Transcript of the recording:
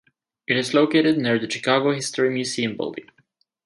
It is located near the Chicago History Museum building.